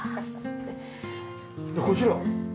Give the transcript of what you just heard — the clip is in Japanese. こちら。